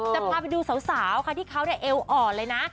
จะพาดูสาวคะที่เขาเอนเอาอ่อนเลยนะ